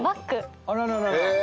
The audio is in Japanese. あらららら。